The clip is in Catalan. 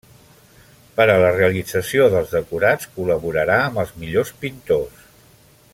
Per a la realització dels decorats col·laborarà amb els millors pintors.